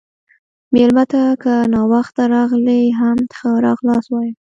مېلمه ته که ناوخته راغلی، هم ښه راغلاست ووایه.